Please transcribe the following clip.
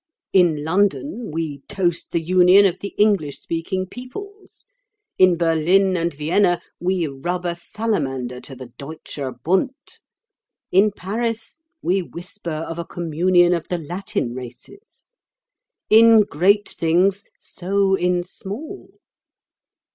In London we toast the union of the English speaking peoples; in Berlin and Vienna we rub a salamander to the deutscher Bund; in Paris we whisper of a communion of the Latin races. In great things so in small.